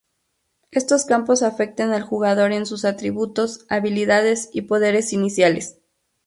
Estos campos afectan al jugador en sus atributos, habilidades y poderes iniciales.